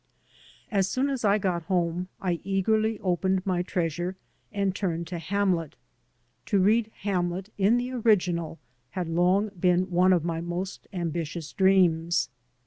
As soon as I got home I eagerly opened my treasure and turned to "Hamlet." To read "Hamlet'' in the original had long been one of my most ambitious dreams.